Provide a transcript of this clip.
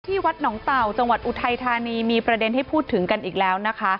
วัดหนองเต่าจังหวัดอุทัยธานีมีประเด็นให้พูดถึงกันอีกแล้วนะคะ